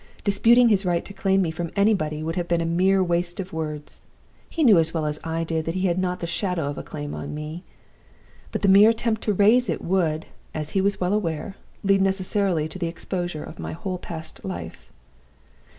Disputing his right to claim me from anybody would have been a mere waste of words. He knew as well as I did that he had not the shadow of a claim on me. But the mere attempt to raise it would, as he was well aware, lead necessarily to the exposure of my whole past life.